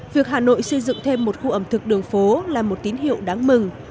việc hà nội xây dựng thêm một khu ẩm thực đường phố là một tín hiệu đáng mừng